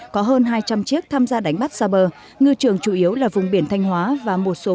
có hơn hai trăm linh chiếc tham gia đánh bắt xa bờ ngư trường chủ yếu là vùng biển thanh hóa và một số